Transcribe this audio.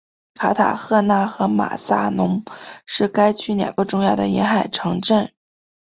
卡塔赫纳和马萨龙是该区两个重要的沿海城镇。